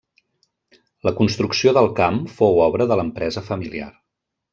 La construcció del camp fou obra de l'empresa familiar.